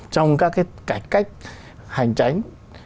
trong các cái cải cách hành tránh